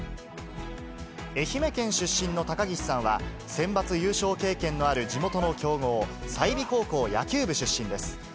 愛媛県出身の高岸さんは、センバツ優勝経験のある地元の強豪、済美高校野球部出身です。